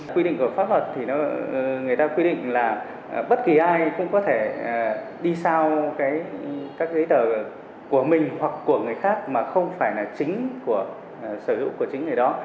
quy định của pháp luật thì người ta quy định là bất kỳ ai cũng có thể đi sau các giấy tờ của mình hoặc của người khác mà không phải là chính của sở hữu của chính người đó